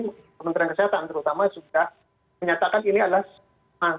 kementerian kesehatan terutama sudah menyatakan ini adalah